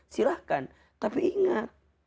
sirahkan tapi ingat